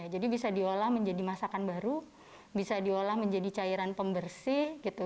jadi bisa diolah menjadi masakan baru bisa diolah menjadi cairan pembersih